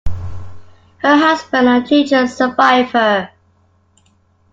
Her husband and children survive her.